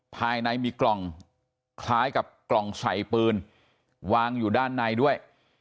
ภายในมีกล่องคล้ายกับกล่องใส่ปืนวางอยู่ด้านในด้วย